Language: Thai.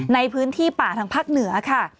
ในพื้นที่ป่าทางภาคเหนือค่ะ